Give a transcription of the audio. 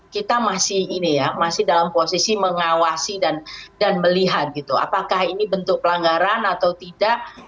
kita masih dalam posisi mengawasi dan melihat apakah ini bentuk pelanggaran atau tidak